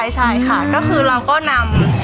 ใช่ค่ะก็คือเราก็นำ